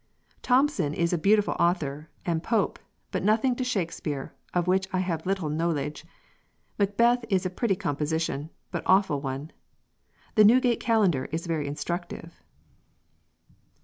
"Thomson is a beautiful author, and Pope, but nothing to Shakespear, of which I have a little knolege. 'Macbeth' is a pretty composition, but awful one." "The 'Newgate Calender' is very instructive."